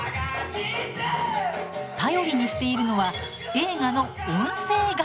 頼りにしているのは映画の「音声ガイド」。